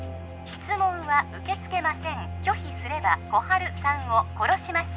質問は受け付けません拒否すれば心春さんを殺します